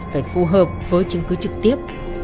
phải phù hợp với chứng cứ trực tiếp